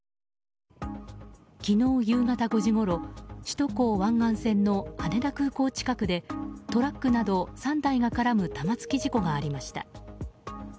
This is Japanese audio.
昨日夕方５時ごろ首都高湾岸線の羽田空港近くでトラックなど３台が絡む玉突き事故がありました。